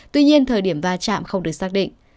tuy nhiên thời điểm va chạm không được xác định